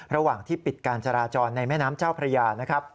ระหว่างที่ปิดการจราจรในแม่น้ำเจ้าพระยานะครับ